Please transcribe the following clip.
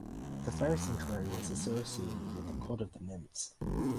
The fire sanctuary was associated with the cult of the nymphs.